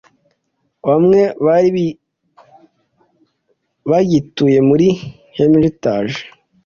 Bamwe bari bagituye muri hermitage